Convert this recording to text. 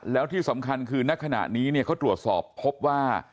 แล้วที่สำคัญคือนักขณะนี้เขาตรวจสอบพบว่า